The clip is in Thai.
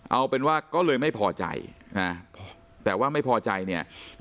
เอาเป็นว่าก็เลยไม่พอใจนะแต่ว่าไม่พอใจเนี่ย